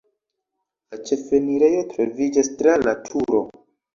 La ĉefenirejo troviĝas tra la turo.